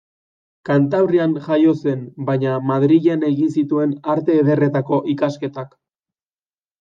Kantabrian jaio zen, baina Madrilen egin zituen Arte Ederretako ikasketak.